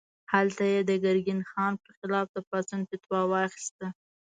هلته یې د ګرګین خان پر خلاف د پاڅون فتوا واخیسته.